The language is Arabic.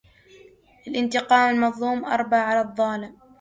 لانتقام المظلوم أربى على الظالم